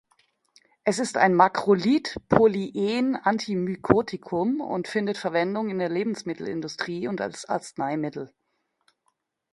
Es ist ein Makrolid-Polyen-Antimykotikum und findet Verwendung in der Lebensmittelindustrie und als Arzneimittel.